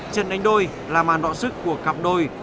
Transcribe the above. trận đánh đôi là màn đoạn sức của cặp đôi